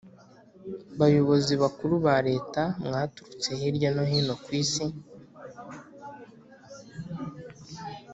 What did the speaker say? Bayobozi Bakuru ba Leta mwaturutse hirya no hino ku isi